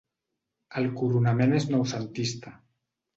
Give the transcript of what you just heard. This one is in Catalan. El coronament és noucentista.